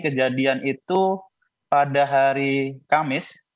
kejadian itu pada hari kamis